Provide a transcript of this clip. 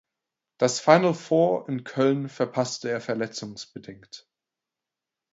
Das Final Four in Köln verpasste er verletzungsbedingt.